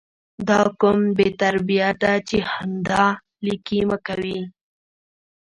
دا کوم بې تربیه ده چې همدا 💩 لیکي مه کوي